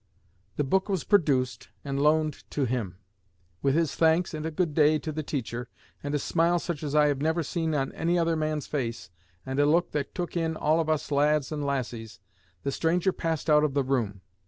The book was produced and loaned to him. With his thanks and a 'Good day' to the teacher, and a smile such as I have never seen on any other man's face and a look that took in all of us lads and lassies, the stranger passed out of the room.